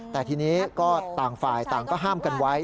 แต่ทีนี้ก็ต่างฝ่ายต่างก็ห้ามกันไว้